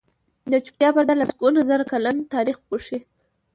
د چوپتیا پرده لسګونه زره کلن تاریخ پوښي.